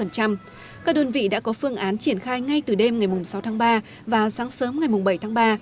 các đơn vị đã có phương án triển khai ngay từ đêm ngày sáu tháng ba và sáng sớm ngày bảy tháng ba